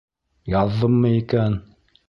Яҙҙымы икән?